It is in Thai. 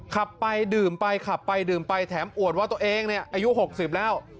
ขับไปดื่มไปขับไปดื่มไปแถมอวดว่าตัวเองเนี่ยอายุ๖๐แล้ว